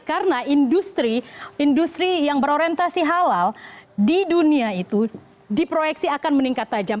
karena industri yang berorientasi halal di dunia itu diproyeksi akan meningkat tajam